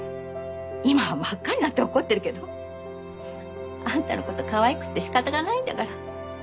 今は真っ赤になって怒ってるけどあんたのことかわいくてしかたがないんだから。